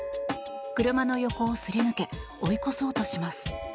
車の横をすり抜け追い越そうとします。